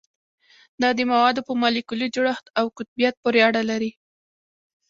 دا د موادو په مالیکولي جوړښت او قطبیت پورې اړه لري